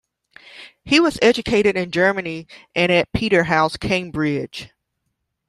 He was educated in Germany and at Peterhouse, Cambridge.